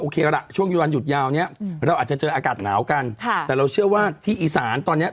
เคละช่วงวันหยุดยาวเนี้ยเราอาจจะเจออากาศหนาวกันค่ะแต่เราเชื่อว่าที่อีสานตอนเนี้ย